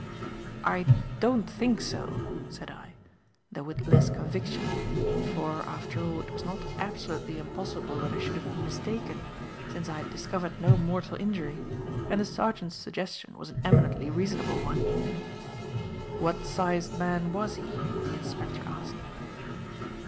"I don't think so," said I, though with less conviction; for, after all, it was not absolutely impossible that I should have been mistaken, since I had discovered no mortal injury, and the sergeant's suggestion was an eminently reasonable one. "What sized man was he?" the inspector asked.